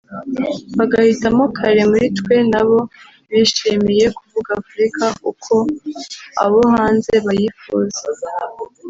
bagahitamo bake muri twe nabo bishimiye kuvuga Afurika uko abo hanze bayifuza